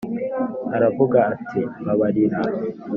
aravuga ati mbabarira